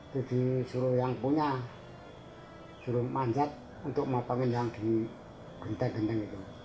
jadi suruh yang punya suruh manjat untuk memanjat yang gini genteng genteng gitu